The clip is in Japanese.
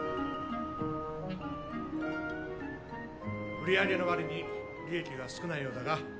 売り上げの割に利益が少ないようだが？